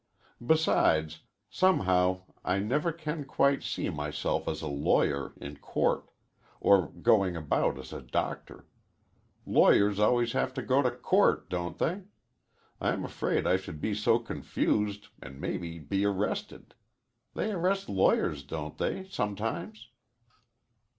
Besides, somehow I never can quite see myself as a lawyer in court, or going about as a doctor. Lawyers always have to go to court, don't they? I am afraid I should be so confused, and maybe be arrested. They arrest lawyers don't they, sometimes?"